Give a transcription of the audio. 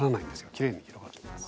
きれいに広がっていきます。